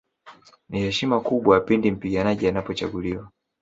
Ni heshima kubwa pindi mpiganaji anapochaguliwa